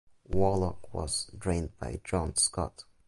Warlock was trained by John Scott.